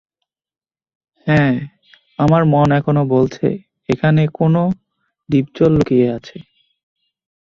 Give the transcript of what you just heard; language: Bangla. হ্যাঁ, আমার মন এখনো বলছে এখানে কোনো ডিপজল লুকিয়ে আছে।